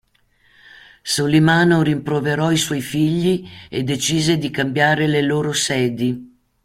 Solimano rimproverò i suoi figli e decise di cambiare le loro sedi.